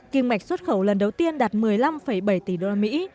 kinh mạch xuất khẩu lần đầu tiên đạt một mươi năm bảy tỷ đô la mỹ